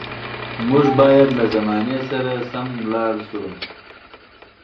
موږ باید له زمانې سره سم لاړ شو.